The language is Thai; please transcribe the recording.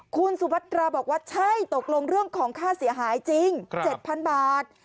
คุณสุพัตราบอกว่าใช่ตกลงเรื่องของค่าเสียหายจริง๗๐๐บาท